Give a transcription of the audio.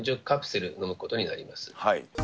カプセル飲むことになります。